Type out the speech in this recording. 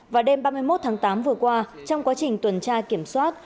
vào đêm ba mươi một tháng tám vừa qua trong quá trình tuần tra kiểm soát